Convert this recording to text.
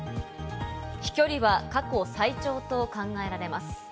飛距離は過去最長と考えられます。